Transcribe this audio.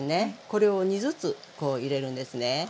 これを２ずつこう入れるんですね。